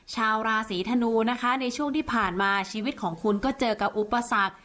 ชาวราศีธนูนะคะในช่วงที่ผ่านมาชีวิตของคุณก็เจอกับอุปสรรค